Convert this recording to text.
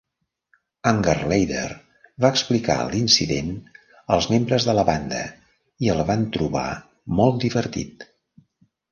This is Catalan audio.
Ungerleider va explicar l'incident als membres de la banda, que el van trobar molt divertit.